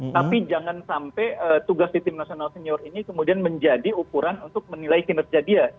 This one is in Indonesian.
tapi jangan sampai tugas di tim nasional senior ini kemudian menjadi ukuran untuk menilai kinerja dia